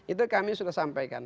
itu kami sudah sampaikan